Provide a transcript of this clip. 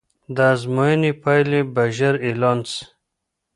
د ازموینې پایلې به ژر اعلان سي.